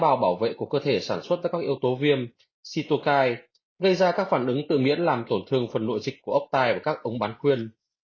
các tế bào bảo vệ của cơ thể sản xuất các yếu tố viêm cytokine gây ra các phản ứng tự miễn làm tổn thương phần nội dịch của ủ tai và các ống bán quyên